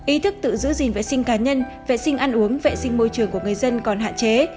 ý thức tự giữ gìn vệ sinh cá nhân vệ sinh ăn uống vệ sinh môi trường của người dân còn hạn chế